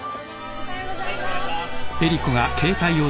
おはようございます。